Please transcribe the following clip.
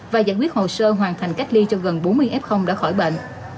và giải quyết hồ sơ hoàn thành cách ly cho gần bốn mươi f đã khỏi bệnh